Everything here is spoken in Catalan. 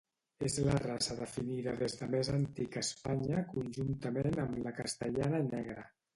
És la raça definida des de més antic a Espanya conjuntament amb la castellana negra.